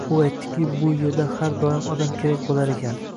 U aytdiki, bu erda har doim odam kerak bo`lar ekan